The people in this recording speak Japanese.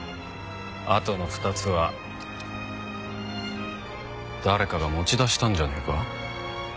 あとの２つは誰かが持ち出したんじゃねえか？